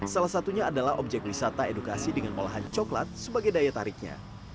salah satunya adalah objek wisata edukasi dengan olahan coklat sebagai daya tariknya